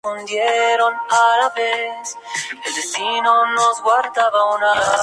Aunque recientemente se ha introducido en Mexico.